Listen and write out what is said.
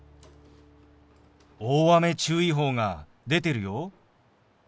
大雨注意報が出てるよ。